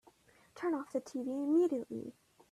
Turn off the tv immediately!